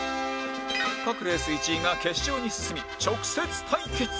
各レース１位が決勝に進み直接対決